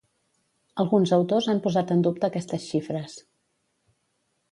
Alguns autors han posat en dubte aquestes xifres.